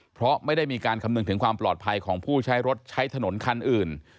เพราะไม่ได้มีการคำนึงถึงความปลอดภัยของผู้ใช้รถใช้ถนนคันอื่น